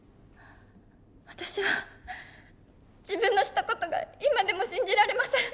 私は自分のした事が今でも信じられません。